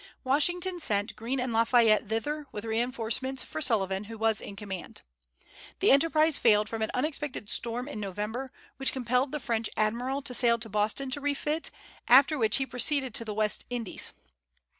Washington sent Greene and La Fayette thither with reinforcements for Sullivan, who was in command. The enterprise failed from an unexpected storm in November, which compelled the French admiral to sail to Boston to refit, after which he proceeded to the West Indies.